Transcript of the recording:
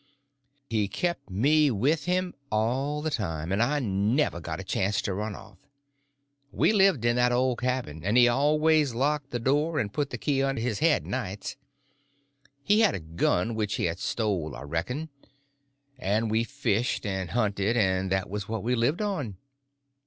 He kept me with him all the time, and I never got a chance to run off. We lived in that old cabin, and he always locked the door and put the key under his head nights. He had a gun which he had stole, I reckon, and we fished and hunted, and that was what we lived on.